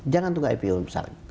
jangan tunggu ipo besar